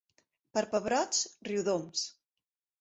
Per pebrots, Riudoms.